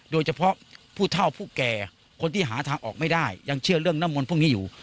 โดยเฉพาะผู้เท่าผู้แก่คนที่หาทางออกไม่ได้ยังเชื่อเรื่องน้ำมนต์พวกนี้อยู่